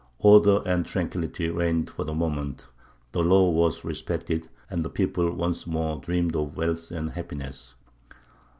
Order and tranquillity reigned for the moment; the law was respected, and the people once more dreamed of wealth and happiness.